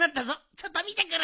ちょっとみてくる！